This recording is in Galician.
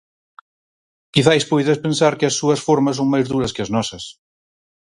Quizais poidas pensar que as súas formas son máis duras que as nosas.